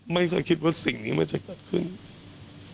ไม่เคยคิดว่าสิ่งที่เราสร้างสร้างเป็นอะไร